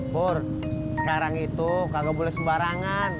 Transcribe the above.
pur sekarang itu kagak boleh sembarangan